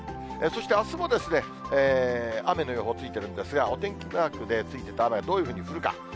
そしてあすも、雨の予報ついてるんですが、お天気マークでついてた雨、どういうふうに降るか。